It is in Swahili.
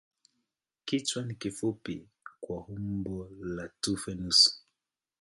Kichwa ni kifupi na kwa umbo la tufe nusu.